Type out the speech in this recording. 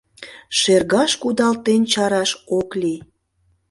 Шергаш кудалтен чараш ок лий.